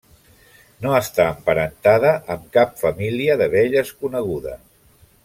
No està emparentada amb cap família d'abelles coneguda.